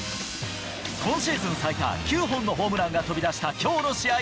今シーズン最多９本のホームランが飛び出したきょうの試合。